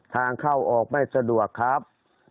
ทางเข้าออกไม่สะดวกครับ